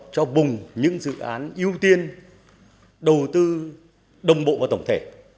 cho vùng những dự án ưu tiên đầu tư đồng bộ và tổng thể